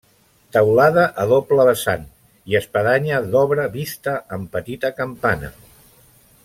Teulada a doble vessant i espadanya d'obra vista amb petita campana.